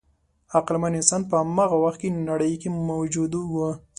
عقلمن انسان په هماغه وخت کې نړۍ کې موجود و.